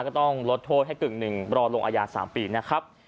ก็ต้องลดโทษให้กึ่งหนึ่งรอลงอาญา๓ปีนะครับ